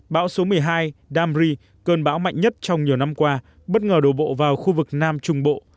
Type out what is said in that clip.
bão số một mươi hai damri cơn bão mạnh nhất trong nhiều năm qua bất ngờ đổ bộ vào khu vực nam trung bộ